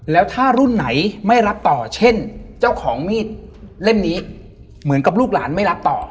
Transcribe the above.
แล้วถ้ารุ่นไหนไม่รับต่อเช่นเจ้าของมีดเล่มนี้เหมือนกับลูกหลานไม่รับต่อ